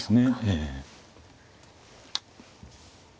ええ。